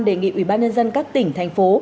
đề nghị ubnd các tỉnh thành phố